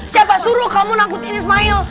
siapa suruh kamu nangkutin ismail